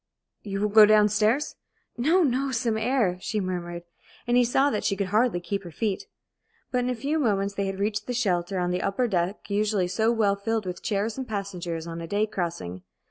"You will go down stairs?" "No, no some air!" she murmured, and he saw that she could hardly keep her feet. But in a few moments they had reached the shelter on the upper deck usually so well filled with chairs and passengers on a day crossing.